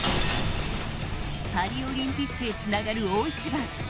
パリオリンピックへつながる大一番。